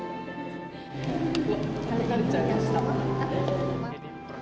わっ、たれちゃいました。